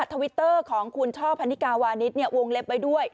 ทวิตเตอร์ของคุณชอบพันธิกาวาณิชย์เนี่ยวงเล็บไปด้วย